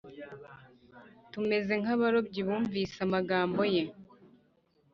Tumeze nkabarobyi bumvise amagambo ye